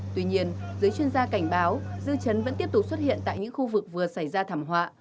tuy nhiên giới chuyên gia cảnh báo dư chấn vẫn tiếp tục xuất hiện tại những khu vực vừa xảy ra thảm họa